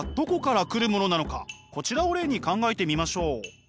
こちらを例に考えてみましょう。